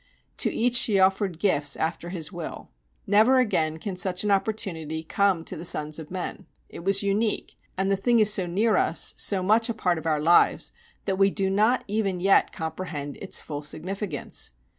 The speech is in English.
"To each she offered gifts after his will." Never again can such an opportunity come to the sons of men. It was unique, and the thing is so near us, so much a part of our lives, that we do not even yet comprehend its full significance.